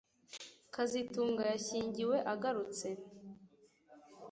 kazitunga yashyingiwe agarutse